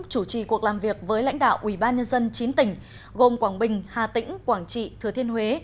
chủ trì cuộc làm việc với lãnh đạo ubnd chín tỉnh gồm quảng bình hà tĩnh quảng trị thừa thiên huế